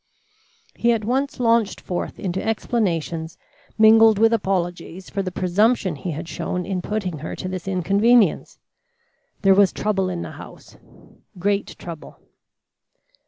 He at once launched forth into explanations mingled with apologies for the presumption he had shown in putting her to this inconvenience. There was trouble in the house great trouble.